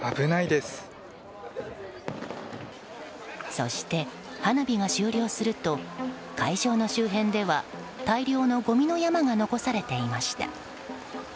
そして、花火が終了すると会場の周辺では大量のごみの山が残されていました。